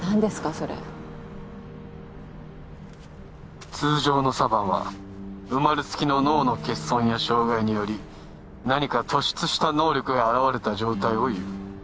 それ通常のサヴァンは生まれつきの脳の欠損や障害により何か突出した能力が現れた状態をいう